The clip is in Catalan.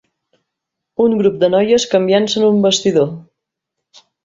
Un grup de noies canviant-se en un vestidor